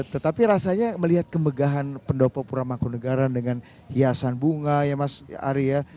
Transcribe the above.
tetapi rasanya melihat kemegahan pendopo pura mangkunegara dengan hiasan bunga ya mas ari ya